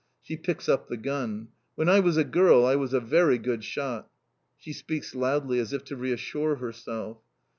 She picks up the gun. "When I was a girl I was a very good shot!" She speaks loudly, as if to reassure herself.